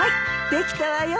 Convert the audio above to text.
できたわよ。